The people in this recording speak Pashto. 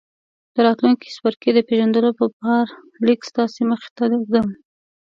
د راتلونکي څپرکي د پېژندلو په پار ليک ستاسې مخې ته ږدم.